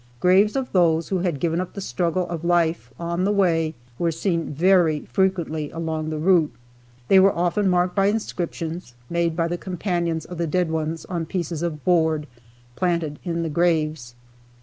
Graves of those who had given up the struggle of life on the way, were seen quite frequently along the route. They were often marked by inscriptions, made by the companions of the dead ones on pieces of board planted in the graves.